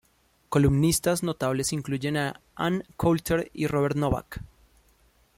Columnistas notables incluyen a Ann Coulter y Robert Novak.